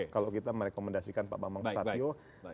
kalau kita merekomendasikan pak bambang susatyo